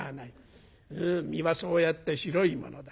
身はそうやって白いものだ。